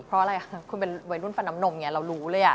เพราะอะไรค่ะคุณเป็นร่วมชีวิตวัยรุ่นฟันเรื้อนมเรารู้เลย